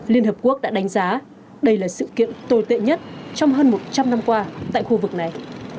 liên hợp quốc đã đánh giá đây là sự kiện tồi tệ nhất trong hơn một trăm linh năm qua tại khu vực này